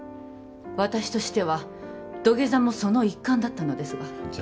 私としては土下座もその一環だったのですがじゃ